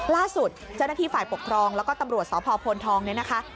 ล่าสุดเจ้าหน้าที่ฝ่ายปกครองแล้วก็ตำรวจสพพลทองเนี่ยนะคะ